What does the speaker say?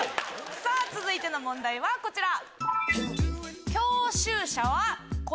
さぁ続いての問題はこちら。